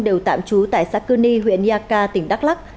đều tạm trú tại sacuni huyện yaka tỉnh đắk lắk